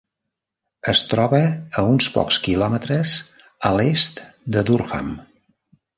Es troba a uns pocs quilòmetres a l'est de Durham.